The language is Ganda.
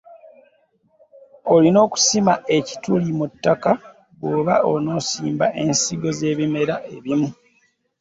Olina okusima ekituli mu ttaka bwoba onosimba ensigo ze bimera ebimu.